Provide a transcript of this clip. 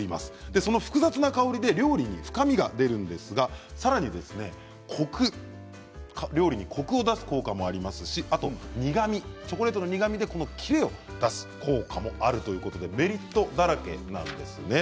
その複雑な香りで料理に深みが出るんですがさらに料理にコクを出す効果もありますし、苦み、チョコレートの苦みでキレを出す効果もあるということでメリットだらけなんですね。